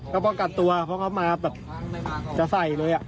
เขาก็กลับตัวเพราะเขามาแบบจะใส่เลย